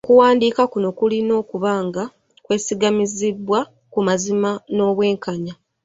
Okuwandiika kuno kulina okuba nga kwesigamiziddwa ku mazima n’obwenkanya.